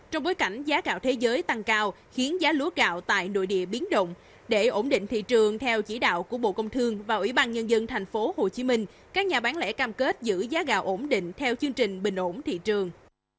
trong bối cảnh giá gạo thế giới tăng cao khiến giá lúa gạo tại nội địa biến động để ổn định thị trường theo chỉ đạo của bộ công thương và ủy ban nhân dân tp hcm các nhà bán lẻ cam kết giữ giá gạo ổn định theo chương trình bình ổn thị trường